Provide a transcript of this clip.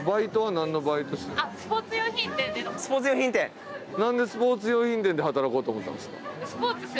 なんでスポーツ用品店で働こうと思ったんですか？